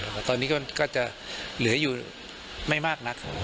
แต่ว่าตอนนี้ก็จะเหลืออยู่ไม่มากนัก